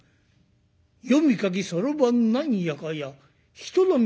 読み書きそろばん何やかや人並み